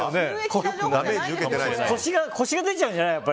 コシが出ちゃうんじゃない？